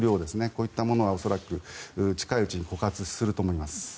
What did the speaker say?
こういったものは恐らく近いうちに枯渇すると思います。